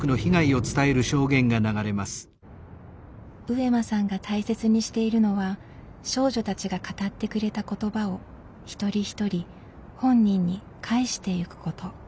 上間さんが大切にしているのは少女たちが語ってくれた言葉をひとりひとり本人に「還して」ゆくこと。